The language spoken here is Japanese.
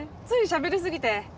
ついしゃべり過ぎて。